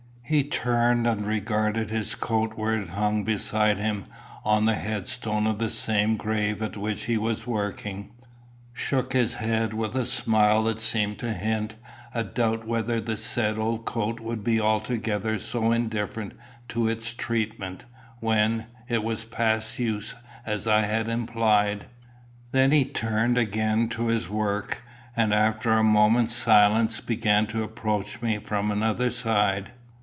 He turned and regarded his coat where it hung beside him on the headstone of the same grave at which he was working, shook his head with a smile that seemed to hint a doubt whether the said old coat would be altogether so indifferent to its treatment when, it was past use as I had implied. Then he turned again to his work, and after a moment's silence began to approach me from another side.